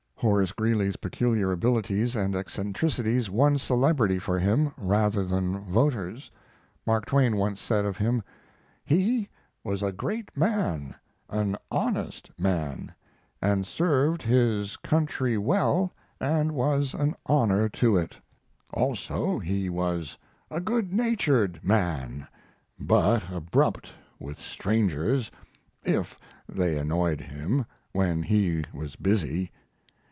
Horace Greeley's peculiar abilities and eccentricities won celebrity for him, rather than voters. Mark Twain once said of him: "He was a great man, an honest man, and served his, country well and was an honor to it. Also, he was a good natured man, but abrupt with strangers if they annoyed him when he was busy.